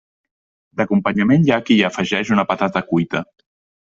D'acompanyament hi ha qui hi afegeix una patata cuita.